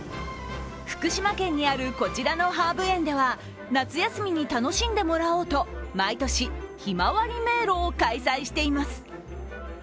福島県にある、こちらのハーブ園では夏休みに楽しんでもらおうと毎年、ひまわり迷路を開催しています。